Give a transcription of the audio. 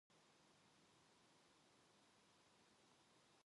김첨지는 잠깐 주저하였다.